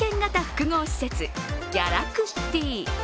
複合施設ギャラクシティ。